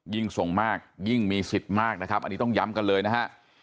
ยิ่งส่งมากยิ่งมีสิทธิ์มากนะครับอันนี้ต้องย้ำกันเลยนะฮะ